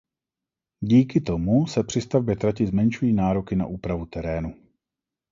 Díky tomu se při stavbě trati zmenšují nároky na úpravu terénu.